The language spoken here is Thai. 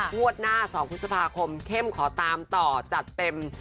งวดหน้า๒พฤษภาคมเข้มขอตามต่อจัดเต็ม